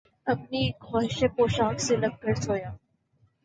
اپنی اِک خواہشِ پوشاک سے لگ کر سویا